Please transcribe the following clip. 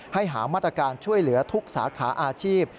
หามาตรการช่วยเหลือทุกสาขาอาชีพ